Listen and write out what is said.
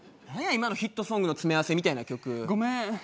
今のヒットソングの詰め合わせみたいな曲。ごめん！